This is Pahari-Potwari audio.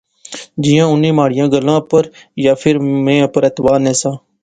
جیاں انیں مہاڑیا گلاہ اپر یا فیر میں اپر اعتبارنہسا